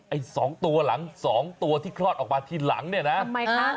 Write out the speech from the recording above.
ไอ้สองตัวหลังสองตัวที่คลอดออกมาทีหลังเนี่ยนะทำไมคะ